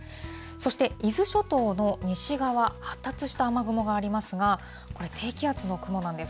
そして、伊豆諸島の西側、発達した雨雲がありますが、これ、低気圧の雲なんです。